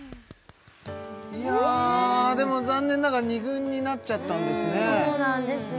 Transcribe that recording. いやでも残念ながら２軍になっちゃったんですねそうなんですよ